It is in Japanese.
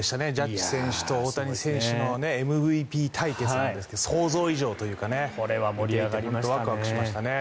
ジャッジ選手と大谷選手のＭＶＰ対決なんですが想像以上というか本当にワクワクしましたね。